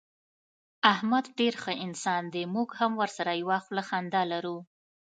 احمد ډېر ښه انسان دی. موږ هم ورسره یوه خوله خندا لرو.